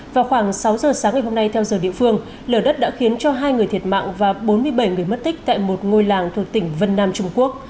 vào khoảng sáu giờ sáng ngày hôm nay theo giờ địa phương lở đất đã khiến cho hai người thiệt mạng và bốn mươi bảy người mất tích tại một ngôi làng thuộc tỉnh vân nam trung quốc